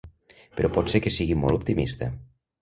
Però pot ser que sigui molt optimista.